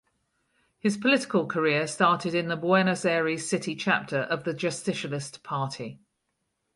His political career started in the Buenos Aires City chapter of the Justicialist Party.